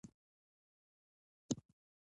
راځی پښتو ژبه په موزیلا کي قوي کړو.